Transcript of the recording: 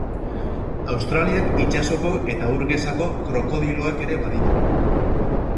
Australiak itsasoko eta ur gezako krokodiloak ere baditu.